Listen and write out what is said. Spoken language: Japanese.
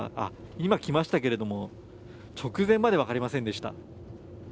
今、来ましたけれども直前まで分かりませんでした。